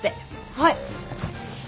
はい。